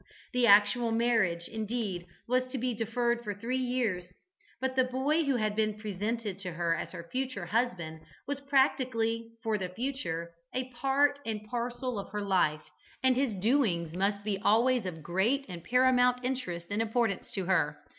The actual marriage, indeed, was to be deferred for three years, but the boy who had been presented to her as her future husband was practically, for the future, a part and parcel of her life, and his doings must be always of great and paramount interest and importance to her.